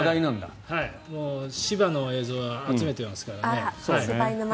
柴の映像は集めてますからね。